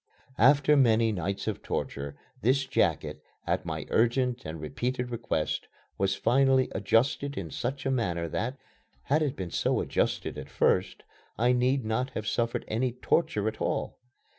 After many nights of torture, this jacket, at my urgent and repeated request, was finally adjusted in such manner that, had it been so adjusted at first, I need not have suffered any torture at all.